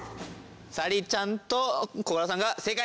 咲莉ちゃんとコカドさんが正解！